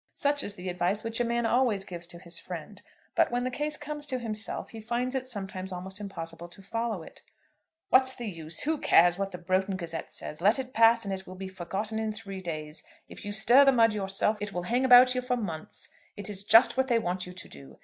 Such is the advice which a man always gives to his friend. But when the case comes to himself he finds it sometimes almost impossible to follow it. "What's the use? Who cares what the 'Broughton Gazette' says? let it pass, and it will be forgotten in three days. If you stir the mud yourself, it will hang about you for months. It is just what they want you to do.